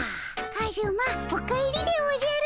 カズマお帰りでおじゃる。